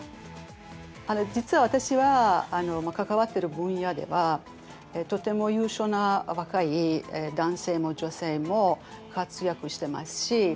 実は私は関わってる分野ではとても優秀な若い男性も女性も活躍してますし